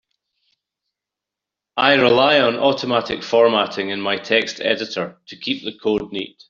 I rely on automatic formatting in my text editor to keep the code neat.